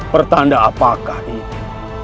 pertanda apakah ini